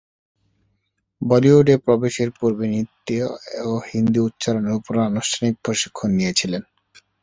বলিউডে প্রবেশের পূর্বে নৃত্য ও হিন্দি উচ্চারণের উপর আনুষ্ঠানিক প্রশিক্ষণ নিয়েছিলেন।